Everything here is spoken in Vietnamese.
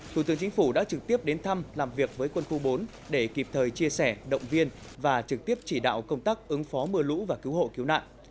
thủ tướng chính phủ đã trực tiếp đến thăm làm việc với quân khu bốn để kịp thời chia sẻ động viên và trực tiếp chỉ đạo công tác ứng phó mưa lũ và cứu hộ cứu nạn